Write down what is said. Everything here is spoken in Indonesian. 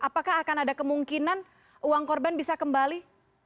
apakah akan ada kemungkinan uang korban bisa kembali